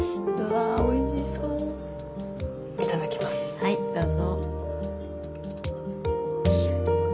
はいどうぞ。